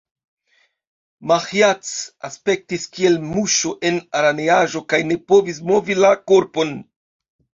Maĥiac aspektis kiel muŝo en araneaĵo, kaj ne povis movi la korpon.